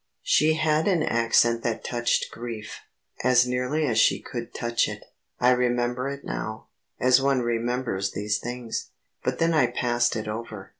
She had an accent that touched grief, as nearly as she could touch it. I remember it now, as one remembers these things. But then I passed it over.